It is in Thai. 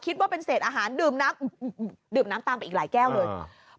คิดว่าเป็นเสร็จอาหารดื่มน้ำตาลก็ออกไปอีกหลายแก้วเลย